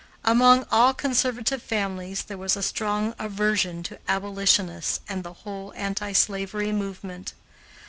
Among all conservative families there was a strong aversion to abolitionists and the whole anti slavery movement.